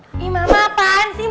ini mama apaan sih